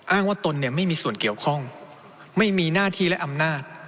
อ้างว่าตนเนี่ยไม่มีส่วนเกี่ยวข้องไม่มีหน้าที่และอำนาจ